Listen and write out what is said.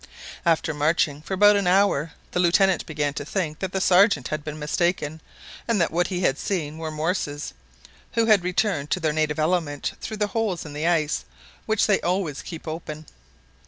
After marching for about an hour, the Lieutenant began to think that the Sergeant had been mistaken, and that what he had seen were morses, who had returned to their native element through the holes in the ice which they always keep open.